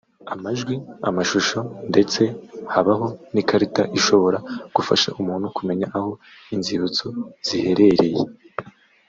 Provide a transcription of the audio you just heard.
amajwi n’amashusho ndetse habaho n’ikarita ishobora gufasha umuntu kumenya aho inzibutso ziherereye